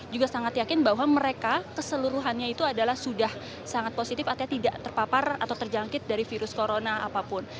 juga sangat yakin bahwa mereka keseluruhannya itu adalah sudah sangat positif atau tidak terpapar atau terjangkit dari virus corona apapun